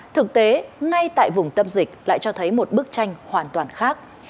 thực tế ngay tại vùng tâm dịch lại cho thấy một bức tranh hoàn toàn khác